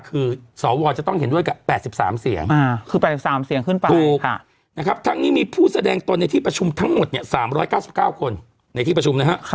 คือสวจะต้องเห็นด้วยกับ๘๓เสียงถูกทั้งนี้มีผู้แสดงตัวในที่ประชุมทั้งหมด๓๙๙คนในที่ประชุม